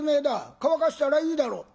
乾かしたらいいだろう」。